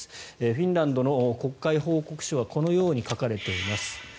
フィンランドの国会報告書はこのように書かれています。